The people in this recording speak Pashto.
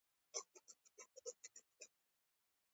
لکه پوهنتونه ، مکتبونه موزيمونه، پارکونه ، جوماتونه.